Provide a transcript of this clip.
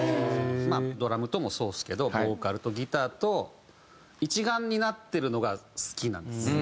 まあドラムともそうですけどボーカルとギターと一丸になってるのが好きなんです。